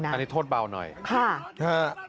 อันนี้ทดเบาหน่อยครับ